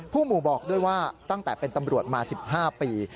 ผู้หมู่บอกด้วยว่าตั้งแต่เป็นตำรวจมา๑๕ปี